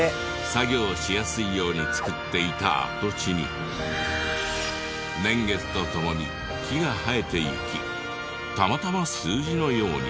作業しやすいように作っていた跡地に年月とともに木が生えていきたまたま数字のように。